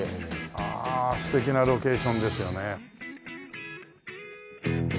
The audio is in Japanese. ああ素敵なロケーションですよね。